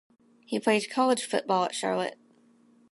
He played college football at Charlotte.